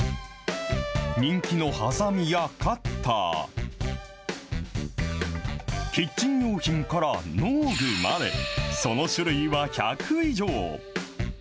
人気のはさみやカッター、キッチン用品から農具まで、その種類は１００以上。